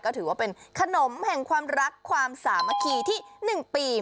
ก็ถือว่าเป็นขนมแห่งความรักความสามัคคีที่๑ปี